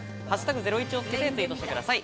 「＃ゼロイチ」をつけてツイートしてください。